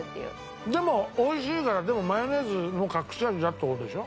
でも美味しいからマヨネーズも隠し味だって事でしょ？